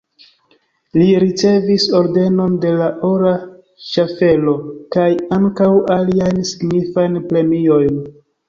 Li ricevis Ordenon de la Ora Ŝaffelo kaj ankaŭ aliajn signifajn premiojn.